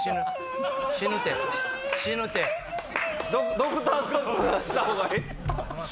ドクターストップ出したほうがええ。